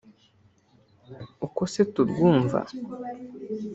uko se turwumva